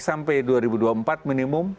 sampai dua ribu dua puluh empat minimum